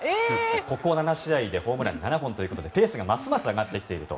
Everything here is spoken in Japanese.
ここ７試合でホームラン７本ということでペースがますます上がってきていると。